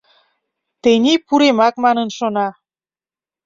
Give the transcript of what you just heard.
Тений пуремак манын шона.